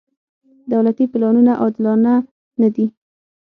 دولتي پلانونه عادلانه نه دي.